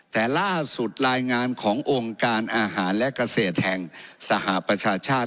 แต่ล่าสุดรายงานขององค์การอาหารและเกษตรแห่งสหประชาชาติ